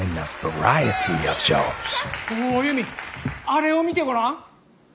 あれを見てごらん。